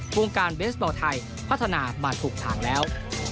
วงการเบสบอลไทยพัฒนามาถูกทางแล้ว